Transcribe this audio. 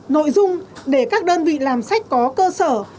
nội dung để các đơn vị làm sách có cơ sở